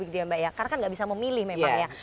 karena kan gak bisa memilih memang ya